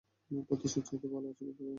প্রত্যাশার চাইতেও ভালো আছি বলতে পারেন!